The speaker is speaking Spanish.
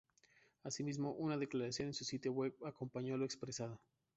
Asimismo, una declaración en su sitio web acompañó lo expresado.